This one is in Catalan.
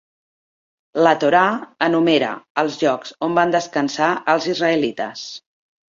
La Torà enumera els llocs on van descansar els israelites.